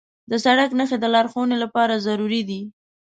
د سړک نښې د لارښوونې لپاره ضروري دي.